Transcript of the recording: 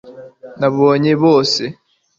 nabonye bose